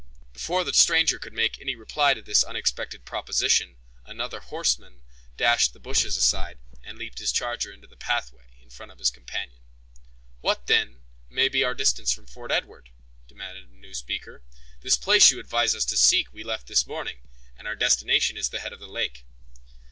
Before the stranger could make any reply to this unexpected proposition, another horseman dashed the bushes aside, and leaped his charger into the pathway, in front of his companion. "What, then, may be our distance from Fort Edward?" demanded a new speaker; "the place you advise us to seek we left this morning, and our destination is the head of the lake."